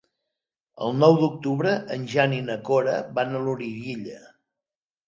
El nou d'octubre en Jan i na Cora van a Loriguilla.